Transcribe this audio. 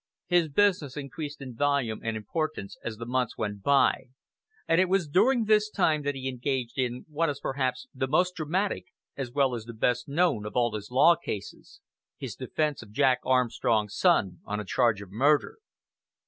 His business increased in volume and importance as the months went by; and it was during this time that he engaged in what is perhaps the most dramatic as well as the best known of all his law cases his defense of Jack Armstrong's son on a charge of murder.